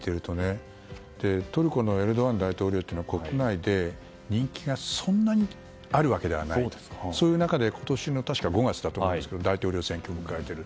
トルコのエルドアン大統領は国内で人気がそんなにあるわけではないそういう中で今年の５月だと思いますが大統領選挙を控えている。